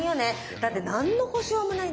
だって何の保証もないんだから。